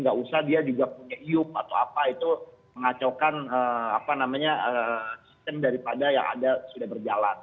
nggak usah dia juga punya iup atau apa itu mengacaukan sistem daripada yang ada sudah berjalan